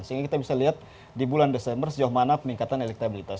sehingga kita bisa lihat di bulan desember sejauh mana peningkatan elektabilitas